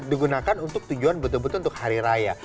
digunakan untuk tujuan betul betul untuk hari raya